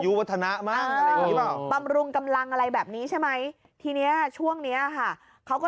คือมันมีข่าวอยู่ไงที่ส่งออกน่ะเอาค่ะอ๋อ